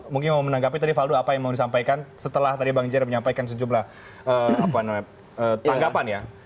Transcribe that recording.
mungkin mau menanggapi tadi valdo apa yang mau disampaikan setelah tadi bang jerry menyampaikan sejumlah tanggapan ya